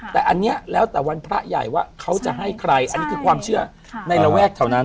แต่อันนี้แล้วแต่วันพระใหญ่ว่าเขาจะให้ใครอันนี้คือความเชื่อในระแวกแถวนั้น